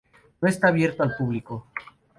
No esta abierto al público.